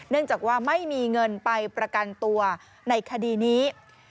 เนื่องจากว่าไม่มีเงินไปประกันตัวในคดีนี้